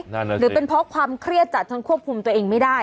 นั่นน่ะสิหรือเป็นเพราะความเครียดจัดทั้งควบคุมตัวเองไม่ได้